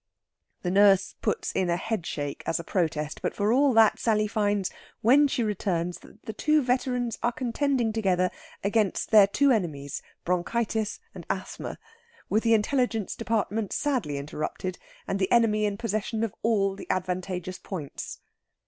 The nurse puts in a headshake as protest. But for all that, Sally finds, when she returns, that the two veterans are contending together against their two enemies, bronchitis and asthma, with the Intelligence Department sadly interrupted, and the enemy in possession of all the advantageous points.